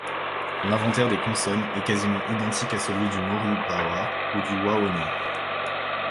L'inventaire des consonnes est quasiment identique à celui du mori bawah ou du wawonii.